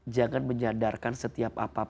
jangan menyadarkan setiap amal yang kita lakukan